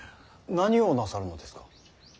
何をなさるのですか。